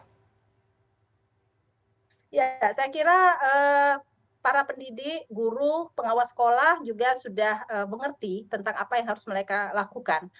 ya saya kira para pendidik guru pengawas sekolah juga sudah mengerti tentang apa yang harus mereka lakukan